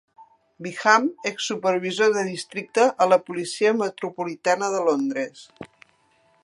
Bingham, exsupervisor de districte a la policia metropolitana de Londres.